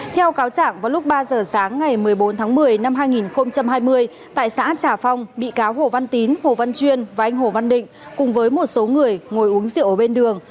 theo cáo trạng vào lúc ba giờ sáng ngày một mươi bốn tháng một mươi năm hai nghìn hai mươi tại xã trà phong bị cáo hồ văn tín hồ văn chuyên và anh hồ văn định cùng với một số người ngồi uống rượu ở bên đường